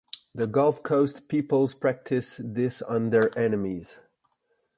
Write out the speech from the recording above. The Gulf coast peoples practiced this on their enemies.